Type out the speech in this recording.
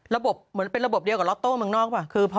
ระบบเหมือนเป็นระบบเดียวกับล็อตโต้เมืองนอกหรือเปล่า